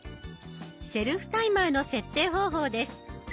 セルフタイマーの設定方法です。